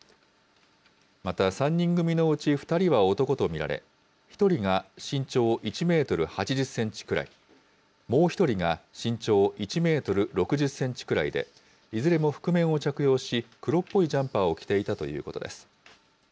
また３人組のうち２人は男と見られ、１人が身長１メートル８０センチくらい、もう１人が身長１メートル６０センチくらいで、いずれも覆面を着用し、黒っぽいジャンパーを着ていたということです。